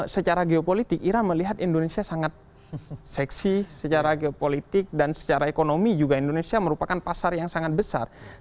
secara geopolitik ira melihat indonesia sangat seksi secara geopolitik dan secara ekonomi juga indonesia merupakan pasar yang sangat besar